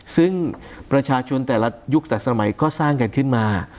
ซึ่งประชาชนแต่ละยุคแต่สมัยก็สร้างกันขึ้นมา